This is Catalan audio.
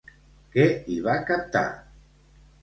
Què hi va captar?